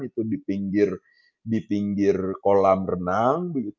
itu di pinggir kolam renang